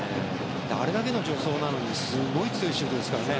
あれだけの助走なのにすごい強いシュートですからね。